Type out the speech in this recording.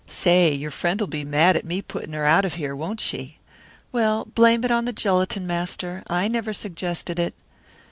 Say, your friend'll be mad at me putting her out of here, won't she? Well, blame it on the gelatin master. I never suggested it.